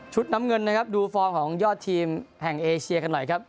น้ำเงินนะครับดูฟอร์มของยอดทีมแห่งเอเชียกันหน่อยครับ